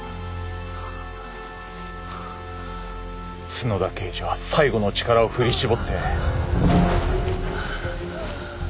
角田刑事は最後の力を振り絞って。